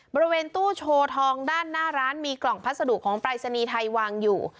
บริเวณตู้โชว์ทองด้านหน้าร้านมีกล่องพัสดุของปรายศนีย์ไทยวางอยู่